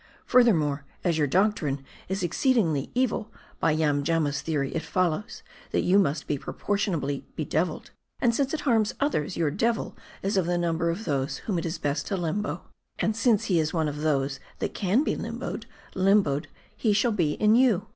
Further more ; as your doctrine is exceedingly evil, by Yamjamma's theory it follows, that you must be proportionably bedeviled ; and since it harms others, your devil is of the number of those whom it is best to limbo ; and since he is one of those that can be limboed^ limboed he shall be in you."